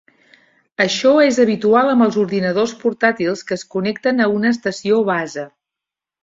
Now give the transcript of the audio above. Això és habitual amb els ordinadors portàtils que es connecten a una estació base.